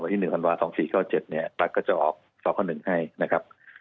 วันที่๑ธันวาคม๒๔๙๗ปรักษณ์ก็จะออกสค๑ให้นะครับ